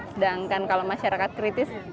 sedangkan kalau masyarakat kritis